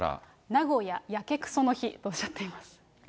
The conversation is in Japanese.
名古屋やけくその日とおっしゃっています。